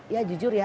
ya jujur ya